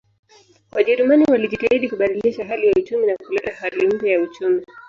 Wajerumani walijitahidi kubadilisha hali ya uchumi na kuleta hali mpya ya uchumi